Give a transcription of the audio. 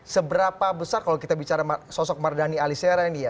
seberapa besar kalau kita bicara sosok mardhani alisera ini ya